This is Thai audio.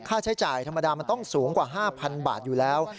ค่าใช้จ่ายธรรมดามันต้องสูงกว่า๕๐๐๐บาทอยู่แล้ว